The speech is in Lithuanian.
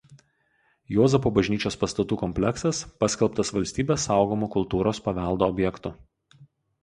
Juozapo bažnyčios pastatų kompleksas paskelbtas valstybės saugomu kultūros paveldo objektu.